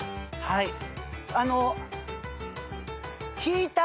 はい。